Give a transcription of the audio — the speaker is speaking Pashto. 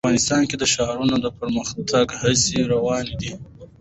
افغانستان کې د ښارونه د پرمختګ هڅې روانې دي.